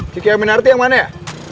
cikki aminarti yang mana ya